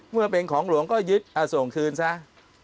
เมื่อเป็นของหลวงก็ยึดส่งคืนซะ